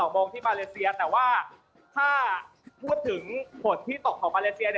โมงที่มาเลเซียแต่ว่าถ้าพูดถึงฝนที่ตกของมาเลเซีย